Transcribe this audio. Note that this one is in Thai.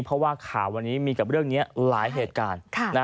เพราะว่าข่าววันนี้มีกับเรื่องนี้หลายเหตุการณ์